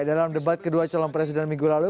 dalam debat kedua calon presiden minggu lalu